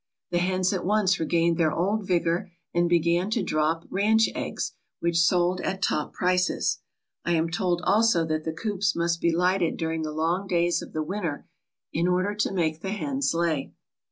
The hens at once regained their old vigour and began to drop "ranch eggs" which sold at top prices. I am told also that the coops must be lighted during the long dark days of the winter in order to make the hens lay.